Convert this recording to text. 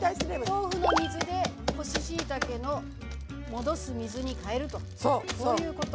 豆腐の水で干ししいたけの戻す水に代えるとそういうこと。